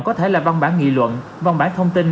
có thể là văn bản nghị luận văn bản thông tin